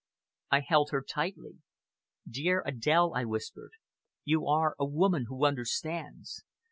I held her tightly. "Dear Adèle," I whispered, "you are a woman who understands.